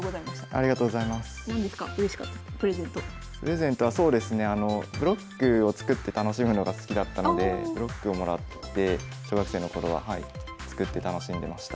プレゼントはそうですねブロックを作って楽しむのが好きだったのでブロックをもらって小学生の頃ははい作って楽しんでました。